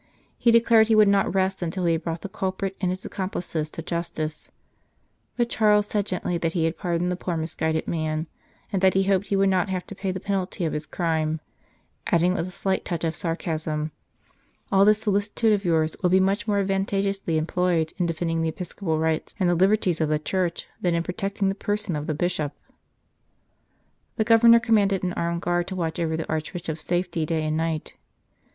He declared he would not rest until he had brought the culprit and his accomplices to justice, but Charles said gently that he had pardoned the poor misguided man, and that he hoped he would not have to pay the penalty of his crime, adding with a slight touch of sarcasm :" All this solicitude of yours would be much more 86 The Humble Ones advantageously employed in defending the epis copal rights and the liberties of the Church than in protecting the person of the Bishop !" The Governor commanded an armed guard to watch over the Archbishop s safety day and night.